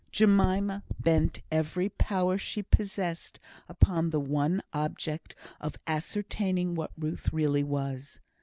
Jemima bent every power she possessed upon the one object of ascertaining what Ruth really was.